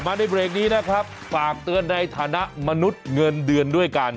ในเบรกนี้นะครับฝากเตือนในฐานะมนุษย์เงินเดือนด้วยกัน